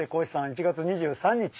１月２３日。